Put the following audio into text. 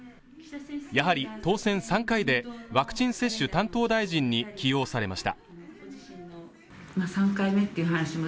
やはり当選３回でワクチン接種担当大臣に起用されました